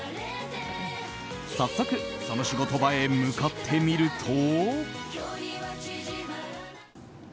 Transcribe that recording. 早速、その仕事場へ向かってみると。